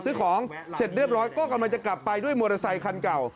ซื้อของเสร็จเรียบร้อยก็กำลังจะกลับไปด้วยมอเตอร์ไซคันเก่า